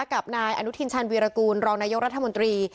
กับนายอนุทินชาญวีรกูลรองนายกรัฐมนตรี